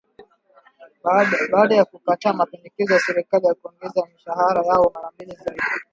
baada ya kukataa mapendekezo ya Serikali ya kuongeza mishahara yao mara mbili zaidi